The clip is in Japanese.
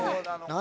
何？